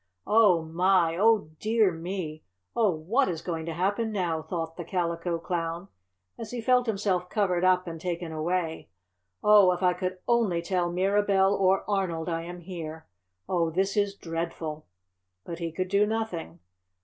"Oh, my! Oh, dear me! Oh, what is going to happen now?" thought the Calico Clown as he felt himself covered up and taken away. "Oh, if I could only tell Mirabell or Arnold I am here. Oh, this is dreadful." But he could do nothing!